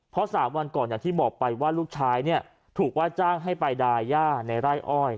เพราะ๓วันก่อนอย่างที่บอกไปว่าลูกชายเนี่ยถูกว่าจ้างให้ไปดาย่าในไร่อ้อย